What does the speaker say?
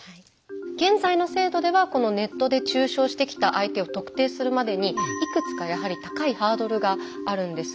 現在の制度ではネットで中傷してきた相手を特定するまでにいくつかやはり高いハードルがあるんです。